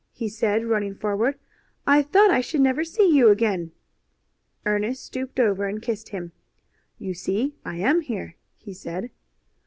he said, running forward. "I thought I should never see you again." Ernest stooped over and kissed him. "You see I am here," he said.